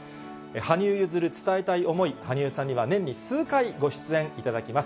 羽生結弦伝えたい思い、羽生さんには年に数回、ご出演いただきます。